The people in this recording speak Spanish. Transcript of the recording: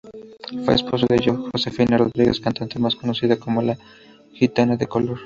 Fue esposo de Josefina Rodríguez, cantante, más conocida como "La Gitana de Color".